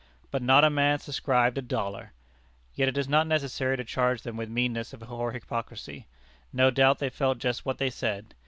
But not a man subscribed a dollar! Yet it is not necessary to charge them with meanness or hypocrisy. No doubt they felt just what they said.